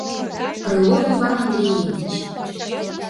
Крылов Иван Андреевич...